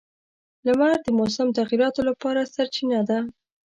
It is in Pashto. • لمر د موسم تغیراتو لپاره سرچینه ده.